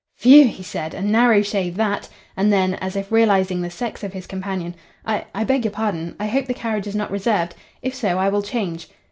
"Phew," he said. "A narrow shave that," and then, as if realising the sex of his companion, "I I beg your pardon. I hope the carriage is not reserved. If so, I will change."